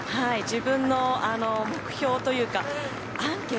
自分の目標というか。